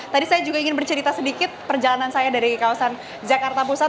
tadi saya juga ingin bercerita sedikit perjalanan saya dari kawasan jakarta pusat